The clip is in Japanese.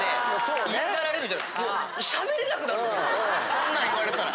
そんなん言われたら。